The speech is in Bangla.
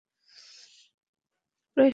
প্রায় সকলেই তার ধর্ম মেনে নিচ্ছে।